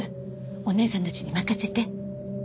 お姉さんたちに任せて。